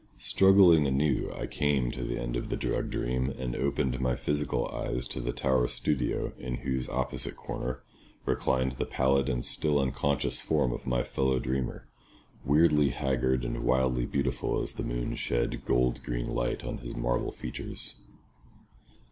Struggling anew, I came to the end of the drug dream and opened my physical eyes to the tower studio in whose opposite corner reclined the pallid and still unconscious form of my fellow dreamer, weirdly haggard and wildly beautiful as the moon shed gold green light on his marble features.